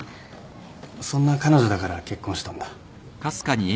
そんな彼女だから結婚したんだ。